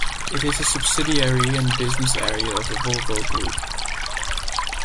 It is a subsidiary and business area of the Volvo Group.